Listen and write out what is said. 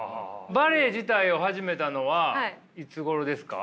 バレエ自体を始めたのはいつごろですか？